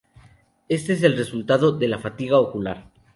Este es el resultado de la 'fatiga ocular'.